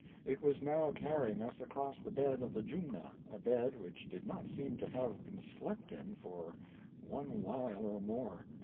It was now carrying us across the bed of the Jumna, a bed which did not seem to have been slept in for one while or more.